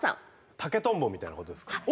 竹とんぼみたいなことですか。